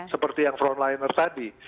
seperti yang frontliner tadi